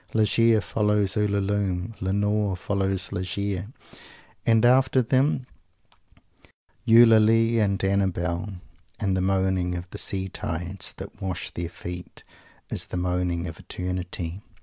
Ligeia follows Ulalume; and Lenore follows Ligeia; and after them Eulalie and Annabel; and the moaning of the sea tides that wash their feet is the moaning of eternity.